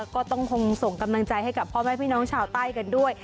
ก็ต้องคงส่งกำลังใจให้กับพ่อแม่พี่น้องชาวใต้กันด้วย